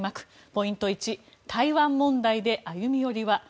ポイント１台湾問題で歩み寄りは？